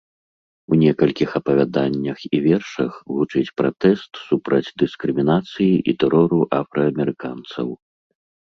У некалькіх апавяданнях і вершах гучыць пратэст супраць дыскрымінацыі і тэрору афраамерыканцаў.